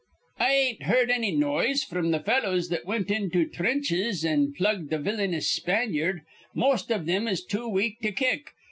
"I ain't heerd anny noise fr'm th' fellows that wint into threnches an' plugged th' villyanious Spanyard. Most iv thim is too weak to kick.